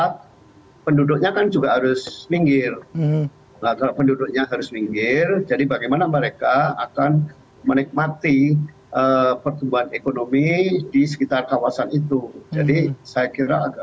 terima kasih terima kasih terima kasih